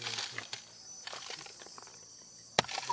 เวียนหัวไม่มาหรอกลูกไม่ขึ้น